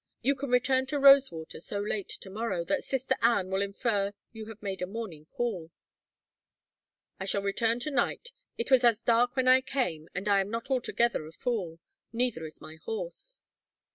You can return to Rosewater so late to morrow that Sister Ann will infer you have made a morning call." "I shall return to night. It was as dark when I came, and I am not altogether a fool. Neither is my horse."